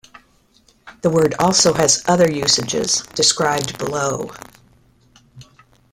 The word also has other usages, described below.